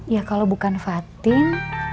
ya kalau bukan fatin